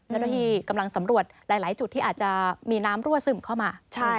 เจ้าหน้าที่กำลังสำรวจหลายจุดที่อาจจะมีน้ำรั่วซึมเข้ามา